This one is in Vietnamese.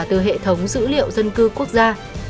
từ hệ thống dữ liệu dân cư quốc gia